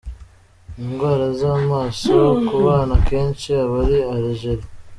Indwara z’amaso ku bana akenshi aba ari ‘allergie’.